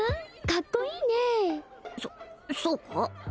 カッコいいねそそうか？